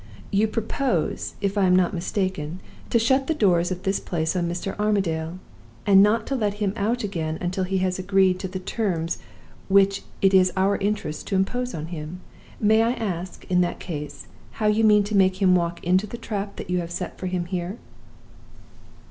You propose, if I am not mistaken, to shut the doors of this place on Mr. Armadale, and not to let him out again until he has agreed to the terms which it is our interest to impose on him? May I ask, in that case, how you mean to make him walk into the trap that you have set for him here?